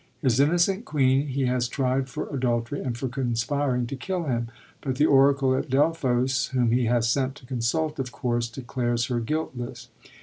His innocent queen he has tried for adultery and for conspiring to kill him ; but the Oracle at Delphos, whom he has sent to consult, of course declares her guiltless.